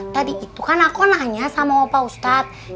tadi itu kan aku nanya sama pak ustadz